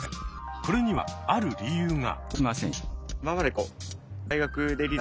これにはある理由が。